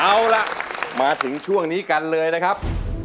เอาล่ะมาถึงช่วงนี้กันเลยนะครับ